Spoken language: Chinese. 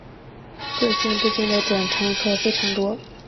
各线之间的转乘客非常多。